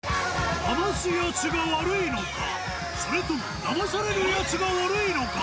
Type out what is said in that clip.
ダマすやつが悪いのか、それとも、ダマされるやつが悪いのか。